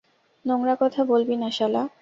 নোংরা কথা বলবি না, শালা।